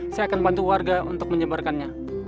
saya akan bantu warga untuk menyebarkannya